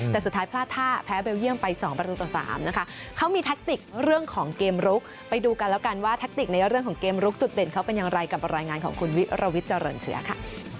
แต่สุดท้ายพลาดท่าแพ้เบลเยี่ยมไป๒ประตูต่อ๓นะคะเขามีแท็กติกเรื่องของเกมลุกไปดูกันแล้วกันว่าแทคติกในเรื่องของเกมลุกจุดเด่นเขาเป็นอย่างไรกับรายงานของคุณวิรวิทย์เจริญเชื้อค่ะ